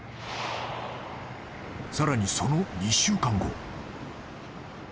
［さらにその２週間後］